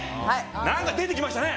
何か出てきましたね。